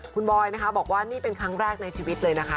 คุณบอยนะคะบอกว่านี่เป็นครั้งแรกในชีวิตเลยนะคะ